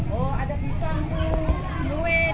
oh ada pisang tuh kluet gitu